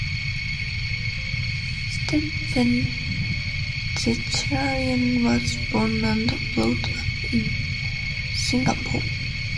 Stephen Zechariah was born and brought up in Singapore.